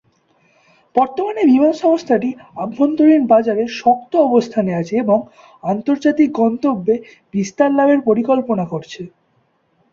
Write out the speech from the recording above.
বর্তমানে বিমান সংস্থাটি অভ্যন্তরীন বাজারে শক্ত অবস্থানে আছে এবং আন্তর্জাতিক গন্তব্যে বিস্তার লাভের পরিকল্পনা করছে।